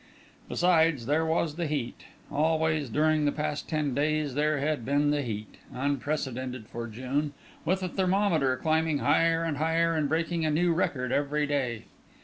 Besides, there was the heat; always, during the past ten days, there had been the heat, unprecedented for June, with the thermometer climbing higher and higher and breaking a new record every day.